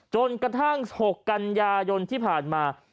จนกระทั่ง๖กันยายนที่ผ่านมา